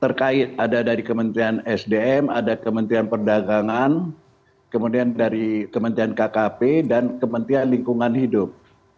terkait ada dari kementerian sdm ada kementerian perdagangan kemudian dari kementerian kkp dan kementerian lingkungan hidup